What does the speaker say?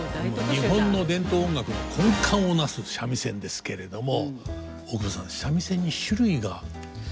日本の伝統音楽の根幹を成す三味線ですけれども大久保さん三味線に種類があるって知ってますか？